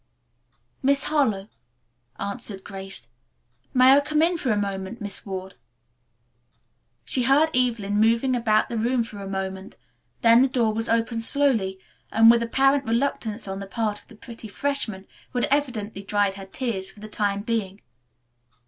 "Miss Harlowe," answered Grace. "May I come in for a moment, Miss Ward?" She heard Evelyn moving about the room for a moment, then the door was opened slowly, and with apparent reluctance on the part of the pretty freshman, who had evidently dried her tears for the time being.